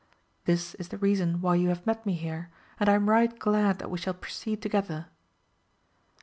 This is the reason why you have met me here, and I am right glad that we shall proceed together.